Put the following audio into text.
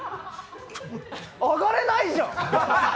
上がれないじゃん！